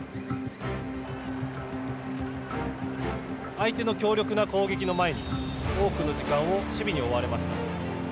相手の強力な攻撃の前に多くの時間を守備に追われました。